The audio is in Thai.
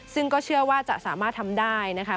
ซึ่งก็เชื่อว่าจะสามารถทำได้นะคะ